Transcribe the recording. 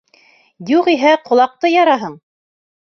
Юғиһә, ҡолаҡты яраһың.